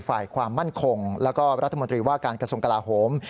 ฝ่ายความมั่นคงแล้วก็รัฐมนตรีว่าการกระทรวงกลาโหม